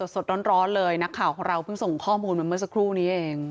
สดร้อนเลยนักข่าวของเราเพิ่งส่งข้อมูลมาเมื่อสักครู่นี้เอง